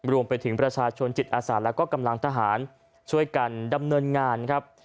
รวมไปถึงประชาชนจิตอาสาและก็กำลังทหารช่วยกันดำเนินงานครับ